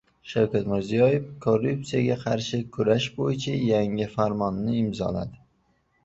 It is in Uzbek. Shavkat Mirziyoyev korrupsiyaga qarshi kurash bo‘yicha yangi farmonni imzoladi